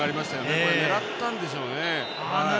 これ、狙ったんでしょうね。